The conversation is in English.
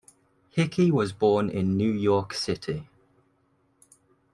Hickey was born in New York City.